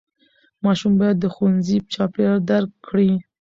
ماشوم باید د ښوونځي چاپېریال درک کړي.